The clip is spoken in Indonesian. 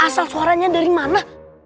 asal suaranya dari mana